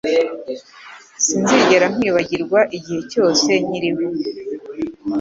Sinzigera nkwibagirwa igihe cyose nkiriho.